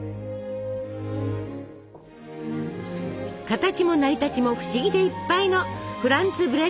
形も成り立ちも不思議でいっぱいのフランツブレートヒェン。